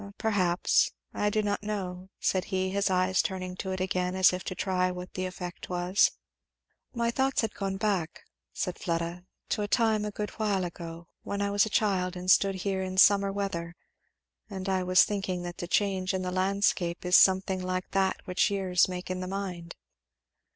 "Perhaps I do not know," said he, his eyes turning to it again as if to try what the effect was. "My thoughts had gone back," said Fleda, "to a time a good while ago, when I was a child and stood here in summer weather and I was thinking that the change in the landscape is something like that which years make in the mind."